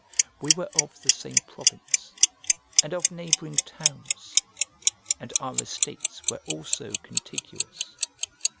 We were of the same province, and of neighbouring towns, and our estates were also contiguous.